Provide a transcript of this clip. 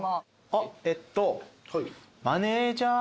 あっえっと。